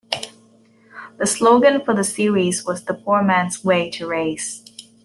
The slogan for the series was The Poor Man's Way to Race.